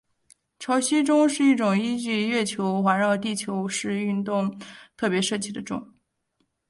潮汐钟是一种依据月球环绕地球的视运动特别设计的钟。